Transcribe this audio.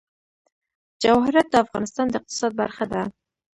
جواهرات د افغانستان د اقتصاد برخه ده.